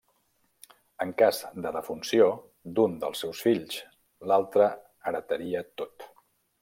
En cas de defunció d'un dels seus fills, l'altre heretaria tot.